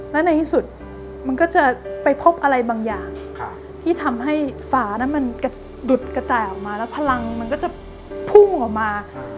และในที่สุดมันก็จะไปพบอะไรบางอย่างที่ทำให้ฝานั้นมันกระดุดกระจายออกมาแล้วพลังมันก็จะพุ่งออกมา